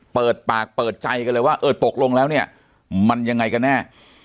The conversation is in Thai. เปิดปากเปิดใจกันเลยว่าเออตกลงแล้วเนี่ยมันยังไงกันแน่